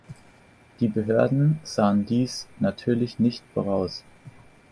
Die Behörden sahen dies natürlich nicht voraus.